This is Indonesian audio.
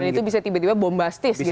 dan itu bisa tiba tiba bombastis gitu ya